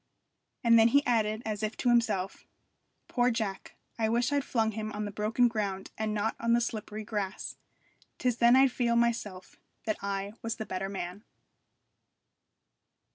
And then he added, as if to himself, 'Poor Jack! I wish I'd flung him on the broken ground and not on the slippery grass. 'Tis then I'd feel myself that I was the better man.'